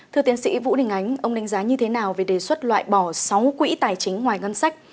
thưa tiến sĩ vũ đình ánh ông đánh giá như thế nào về đề xuất loại bỏ sáu quỹ tài chính ngoài ngân sách